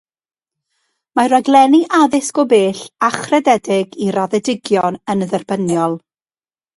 Mae rhaglenni addysg o bell achrededig i raddedigion yn dderbyniol.